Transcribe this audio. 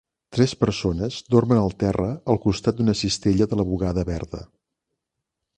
Tres persones dormen al terra al costat d'una cistella de la bugada verda